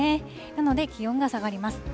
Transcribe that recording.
なので気温が下がります。